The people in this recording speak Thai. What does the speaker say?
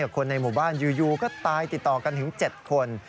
คนในหมู่บ้านอยู่ก็ตายติดต่อกันถึง๗คน